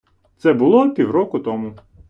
Це було півроку тому.